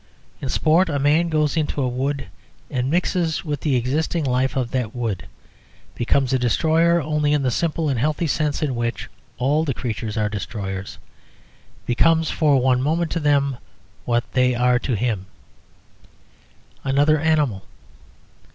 In sport a man goes into a wood and mixes with the existing life of that wood; becomes a destroyer only in the simple and healthy sense in which all the creatures are destroyers; becomes for one moment to them what they are to him another animal.